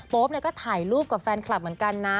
ป๊ปก็ถ่ายรูปกับแฟนคลับเหมือนกันนะ